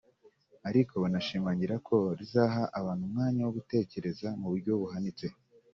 ariko bakanashimangira ko rizaha abantu umwanya wo gutekereza mu buryo buhanitse